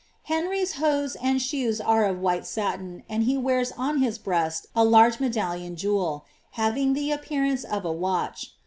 lienrv^s hose and shoes are of white satin, and he wears on his breast a large medallion jeweU having the appearance of t watch.